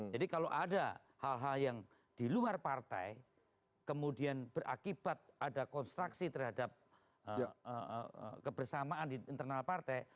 jadi kalau ada hal hal yang diluar partai kemudian berakibat ada konstruksi terhadap kebersamaan di internal partai